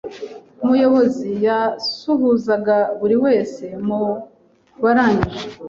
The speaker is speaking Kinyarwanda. Umuyobozi yasuhuzaga buri wese mu barangije.